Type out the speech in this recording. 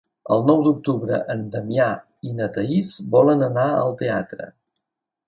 El nou d'octubre en Damià i na Thaís volen anar al teatre.